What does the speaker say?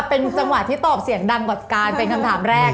เป็นจังหวะที่ตอบเสียงดังกว่าการเป็นคำถามแรก